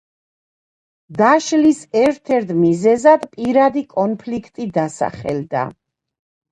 დაშლის ერთ-ერთი მიზეზად პირადი კონფლიქტი დასახელდა.